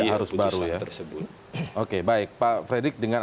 putusan tersebut oke baik pak fredy dengan